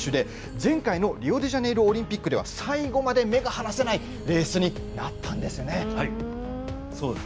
前回のリオデジャネイロオリンピックでは最後まで目が離せないレースになったんです。